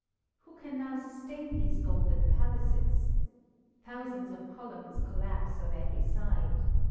Who can now sustain those golden palaces? Thousands of columns collapse on every side.